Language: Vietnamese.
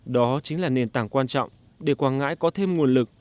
đó chính là nền tảng quan trọng để quảng ngãi có thêm nguồn lực